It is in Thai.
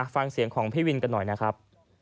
ฟังเสียงของพี่วินกันหน่อยนะครับ